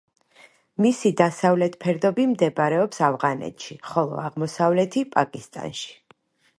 მისი დასავლეთ ფერდობი მდებარეობს ავღანეთში, ხოლო აღმოსავლეთი პაკისტანში.